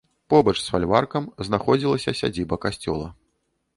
Побач з фальваркам знаходзілася сядзіба касцёла.